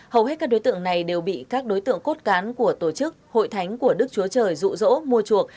hầu hết các đối tượng này đều bị các đối tượng cốt cán của tổ chức hội thánh của đức chúa trời rụ rỗ mua chuộc